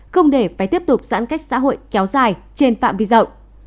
không để phải tiếp tục giãn cách xã hội kéo dài trên phạm vi rộng